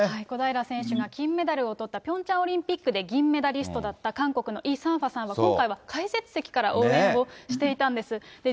小平選手が金メダルをとったピョンチャンオリンピックで銀メダリストだった韓国のイ・サンファさんは、今回は解説席から応援をしていたんですね。